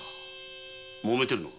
もめてるのか？